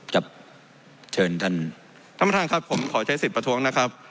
จะเชิญท่านท่านประธานครับผมขอใช้สิทธิ์ประท้วงนะครับ